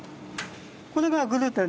これがグルテン。